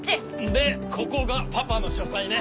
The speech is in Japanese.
でここがパパの書斎ね。